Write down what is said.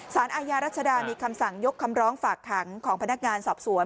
สารอาญารัชดามีคำสั่งยกคำร้องฝากขังของพนักงานสอบสวน